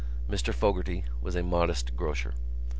Mr Fogarty was a modest grocer.